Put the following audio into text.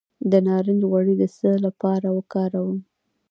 د نارنج غوړي د څه لپاره وکاروم؟